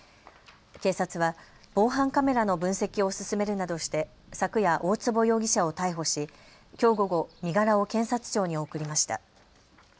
警察は防犯カメラの分析を進めるなどして昨夜、大坪容疑者を逮捕しきょう午後、身柄を検察庁に送りました。